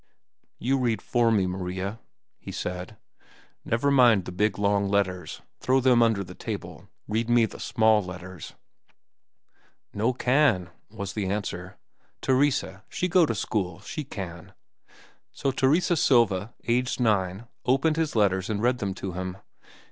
"You read for me, Maria," he said. "Never mind the big, long letters. Throw them under the table. Read me the small letters." "No can," was the answer. "Teresa, she go to school, she can." So Teresa Silva, aged nine, opened his letters and read them to him.